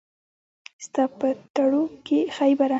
ستا په تړو کښې خېبره